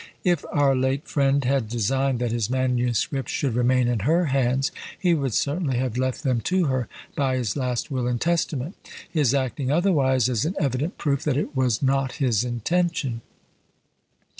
If our late friend had designed that his MSS. should remain in her hands, he would certainly have left them to her by his last will and testament; his acting otherwise is an evident proof that it was not his intention.